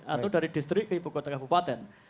atau dari distrik ke ibu kota kabupaten